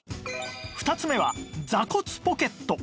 ２つ目は座骨ポケット